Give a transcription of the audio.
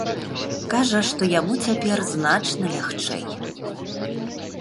Кажа, што яму цяпер значна лягчэй.